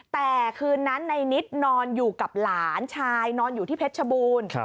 แต่คืนนั้นในนิดนอนอยู่กับหลานชายนอนอยู่ที่เพชรชบูรณ์